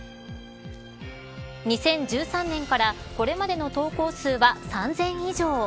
２０１３年からこれまでの投稿数は３０００以上。